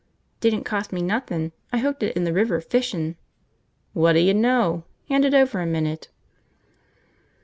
"Didn't cost me nothin'. I hooked it in the river, fishin'." "Whadda ya know! Hand it over a minute."